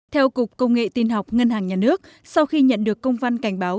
theo cục công nghệ tin học ngân hàng nhà nước sau khi nhận được công văn cảnh báo